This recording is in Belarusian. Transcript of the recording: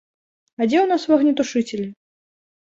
А дзе ў нас вогнетушыцелі?